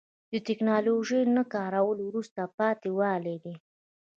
د تکنالوژۍ نه کارول وروسته پاتې والی دی.